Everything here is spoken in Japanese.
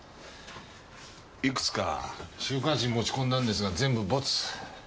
いくつか週刊誌に持ち込んだんですが全部ボツ。